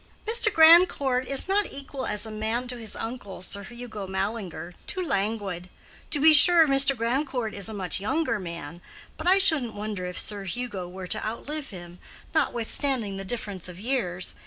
"Mr. Grandcourt is not equal as a man to his uncle, Sir Hugo Mallinger—too languid. To be sure, Mr. Grandcourt is a much younger man, but I shouldn't wonder if Sir Hugo were to outlive him, notwithstanding the difference of years.